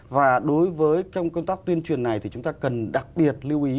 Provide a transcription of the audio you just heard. và đối với trong công tác tuyên truyền này thì chúng ta cần đặc biệt lưu ý